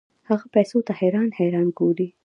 هغه پیسو ته حیران حیران ګوري.